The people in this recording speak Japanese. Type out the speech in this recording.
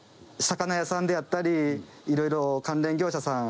魚屋さんであったりいろいろ関連業者さん